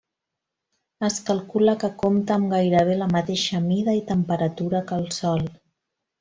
Es calcula que compta amb gairebé la mateixa mida i temperatura que el Sol.